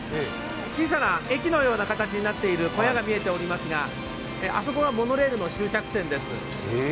小さな駅のような形になっている小屋が見えておりますが、あそこがモノレールの終着点です。